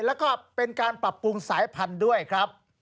แล้วก็เป็นการปรับปรุงสายพันธุ์ด้วยครับ